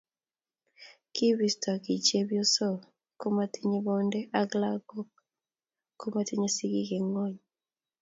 kibisto kii chepyosok ko matinyeii boonde ak lagok ko matinyei sigik eng' ng'ony